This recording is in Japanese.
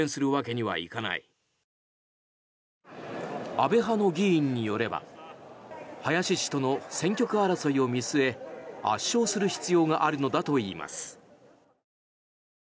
安倍派の議員によれば林氏との選挙区争いを見据え圧勝する必要があるのだといいます。